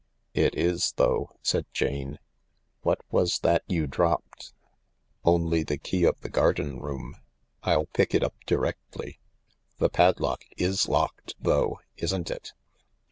"It is, though," said Jane. "What was that you dropped ?"" Only the key of the garden room. I'll pick it up directly. The padlock is locked, though, isn't it